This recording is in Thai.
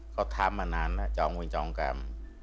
เขาทำมานานแล้วจองวินจองกรรม